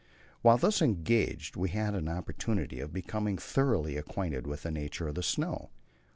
While thus engaged we had an opportunity of becoming thoroughly acquainted with the nature of the snow.